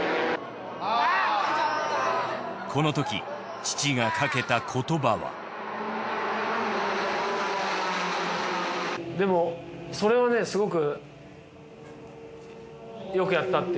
このとき父がかけた言葉はでもそれはねすごく。